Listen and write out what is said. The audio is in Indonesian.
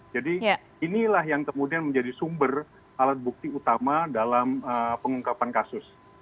jadi inilah yang kemudian menjadi sumber alat bukti utama dalam pengungkapan kasus